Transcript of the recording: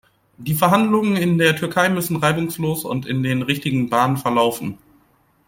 Die Verhandlungen in der Türkei müssen reibungslos und in den richtigen Bahnen verlaufen.